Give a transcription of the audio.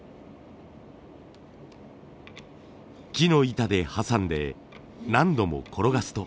木の板で挟んで何度も転がすと。